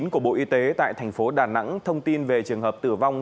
của bộ y tế tại tp đà nẵng thông tin về trường hợp tử vong